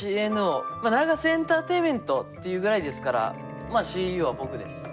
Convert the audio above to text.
まあＮＡＧＡＳＥエンターテインメントっていうぐらいですからまあＣＥＯは僕です。